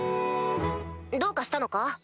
どうかしたのか？